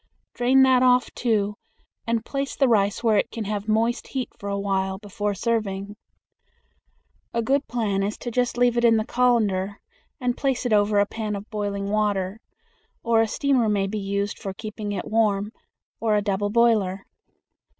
Drain that off, too, and place the rice where it can have moist heat for a while before serving. A good plan is just to leave it in the colander and place it over a pan of boiling water; or a steamer may be used for keeping it warm, or a double boiler.